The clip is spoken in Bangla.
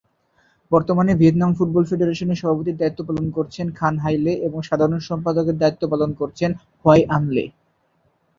বর্তমানে ভিয়েতনাম ফুটবল ফেডারেশনের সভাপতির দায়িত্ব পালন করছেন খান হাই লে এবং সাধারণ সম্পাদকের দায়িত্ব পালন করছেন হোয়াই আন লে।